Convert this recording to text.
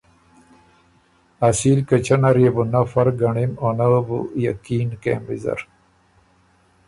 ”اصیل کچۀ نر يې بو نۀ فرق ګنړِم او نۀ وه بو یقین کېم ویزر“